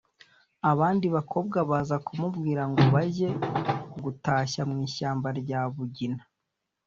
abandi bakobwa baza kumubwira ngo bajye gutashya mu ishyamba rya bugina.